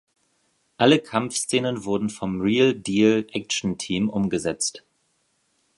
Alle Kampfszenen wurden vom Reel Deal Action Team umgesetzt.